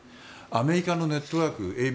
アメリカのネットワーク